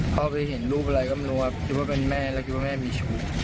พ่อไปเห็นลูกอะไรก็ไม่รู้อะคิดว่าเป็นแม่แล้วคิดว่ามีชีวิต